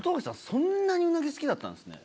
そんなにうなぎ好きだったんですね。